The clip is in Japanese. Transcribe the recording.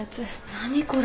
何これ？